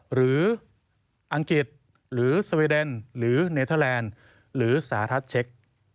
หรืออังกฤษหรือสเวเดนหรือเนเทอร์แลนด์หรือสหรัฐเช็ค